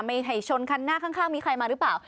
ไม่ให้ชนคันหน้าข้างมีใครมาหรือเปล่า